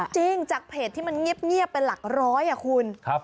จริงจากเพจที่มันเงียบเป็นหลักร้อยอ่ะคุณ